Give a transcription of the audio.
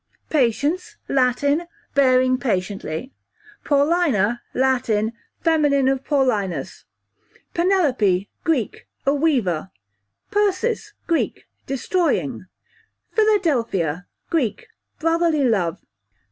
Patience, Latin, bearing patiently. Paulina, Latin, feminine of Paulinus. Penelope, Greek, a weaver. Persis, Greek, destroying. Philadelphia, Greek, brotherly love.